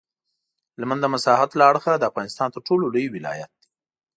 هلمند د مساحت له اړخه د افغانستان تر ټولو لوی ولایت دی.